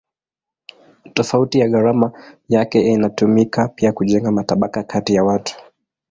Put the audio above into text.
Tofauti ya gharama yake inatumika pia kujenga matabaka kati ya watu.